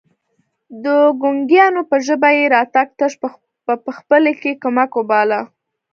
د ګونګيانو په ژبه يې راتګ تش په پخلي کې کمک وباله.